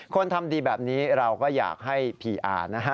คนทำดีแบบนี้เราก็อยากให้พรีอ่าง